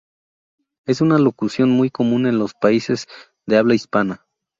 Es una locución muy común en los países de habla hispana.